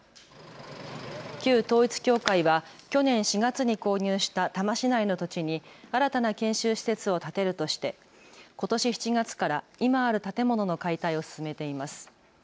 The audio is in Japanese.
旧統一教会は去年４月に購入した多摩市内の土地に新たな研修施設を建てるとしてことし７月から今ある建物の解体を進めています。